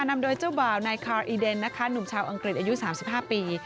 นำโดยเจ้าบ่าวนายคาวอีเดนนะคะหนุ่มชาวอังกฤษอายุ๓๕ปี